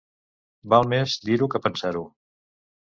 Val més dir-ho que pensar-ho.